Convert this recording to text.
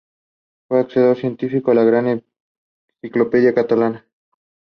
After his death she announced that she had inherited his spiritual powers.